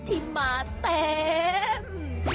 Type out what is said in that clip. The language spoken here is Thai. ที่มาเต็ม